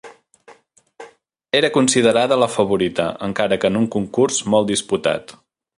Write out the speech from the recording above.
Era considerada la favorita, encara que en un concurs molt disputat.